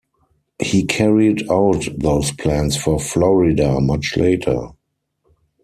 He carried out those plans for Florida much later.